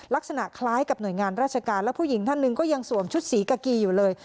ลักษณะคล้ายกับหน่วยงานราชการแล้วผู้หญิงท่านหนึ่งก็ยังสวมชุดสีกากีอยู่เลย